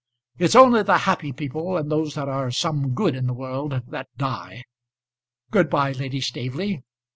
It's only the happy people and those that are some good in the world that die. Good bye, Lady Staveley.